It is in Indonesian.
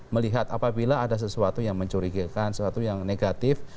melihat apabila ada sesuatu yang mencurigakan sesuatu yang negatif